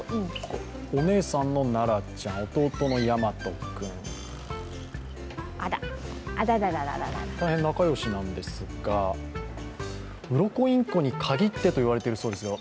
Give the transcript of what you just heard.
お姉さんの奈良ちゃん、弟の大和君大変仲良しなんですが、ウロコインコに限ってと言われているそうですよ。